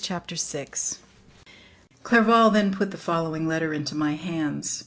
Chapter 6 Clerval then put the following letter into my hands.